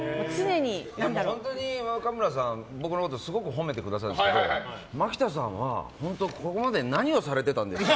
本当に若村さん、僕のことすごく褒めてくださるんですけどマキタさんは本当ここまで何をされてたんですか？